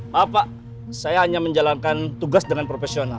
maaf pak saya hanya menjalankan tugas dengan profesional